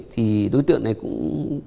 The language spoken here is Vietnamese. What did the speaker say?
thì đối tượng này cũng